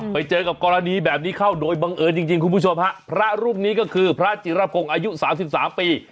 ไปเจอกับกรณีแบบนี้เข้าโดยบังเอิญจริงคุณผู้ชมฮะพระรูปนี้ก็คือพระจิรพงศ์อายุสามสิบสามปี